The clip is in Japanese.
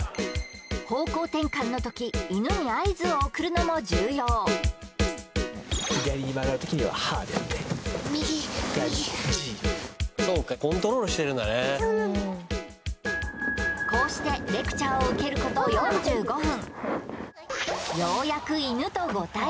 方向転換のとき犬に合図を送るのも重要左に曲がるときにはハーで右右がジーそうかそうなんですこうしてレクチャーを受けること４５分